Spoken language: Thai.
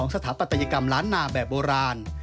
สถาปัตยกรรมล้านนาแบบโบราณ